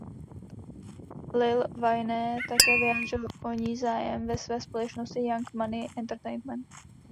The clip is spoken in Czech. Lil Wayne také vyjádřil o ní zájem ve své společnosti Young Money Entertainment.